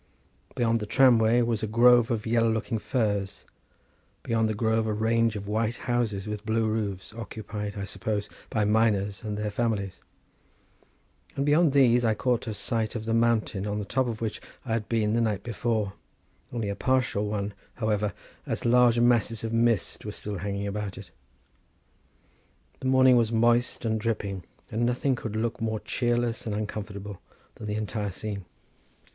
Beyond the tramway was a grove of yellow looking firs; beyond the grove a range of white houses with blue roofs, occupied, I supposed, by miners and their families; and beyond these I caught a sight of the mountain on the top of which I had been the night before, only a partial one, however, as large masses of mist were still hanging about it. The morning was moist and dripping, and nothing could look more cheerless and uncomfortable than the entire scene.